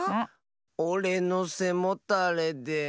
「おれのせもたれで」。